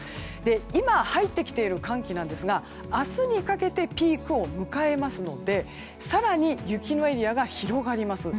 今、入ってきている寒気なんですが明日にかけてピークを迎えますので更に雪のエリアが広がります。